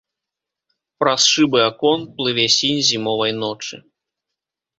Праз шыбы акон плыве сінь зімовай ночы.